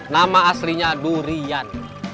nama aslinya durian